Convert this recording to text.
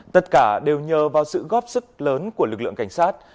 tất cả đều nhờ vào sự góp sức lớn của lực lượng cảnh sát